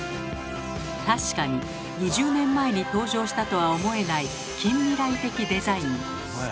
確かに２０年前に登場したとは思えない近未来的デザイン。